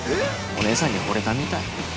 お姉さんにほれたみたい。